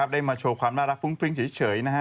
ได้มาโชว์ความรักฟุ้งฟริ้งเฉย